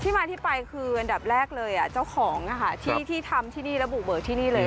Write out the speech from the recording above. มาที่ไปคืออันดับแรกเลยเจ้าของที่ทำที่นี่ระบุเบิกที่นี่เลย